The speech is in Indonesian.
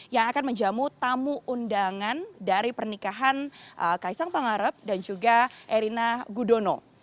yang akan menjamu tamu undangan dari pernikahan kaisang pangarep dan juga erina gudono